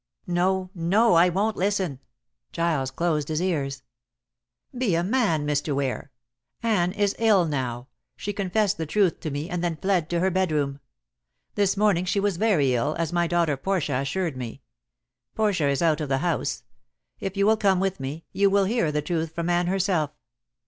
"No, no; I won't listen." Giles closed his ears. "Be a man, Mr. Ware. Anne is ill now. She confessed the truth to me, and then fled to her bedroom. This morning she was very ill, as my daughter Portia assured me. Portia is out of the house. If you will come with me, you will hear the truth from Anne herself.